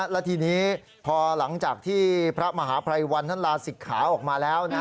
และทีนี้พอหลังจากที่พระมหาภัยวันท่านลาศิกขาออกมาแล้วนะ